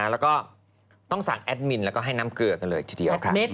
แล้วก็ต้องสั่งแอดมินแล้วก็ให้น้ำเกลือกันเลยทีเดียวค่ะ